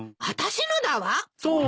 そう。